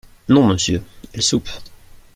Non, monsieur, elle soupe.